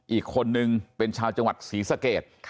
อีกคนนึงเป็นชาวจังหวัดศรีสเกต